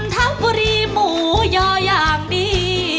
ทะพุริหมูยออย่างดี